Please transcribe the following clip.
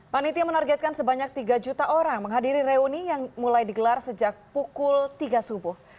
panitia menargetkan sebanyak tiga juta orang menghadiri reuni yang mulai digelar sejak pukul tiga subuh